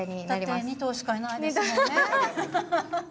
だって２頭しかいないですもんね。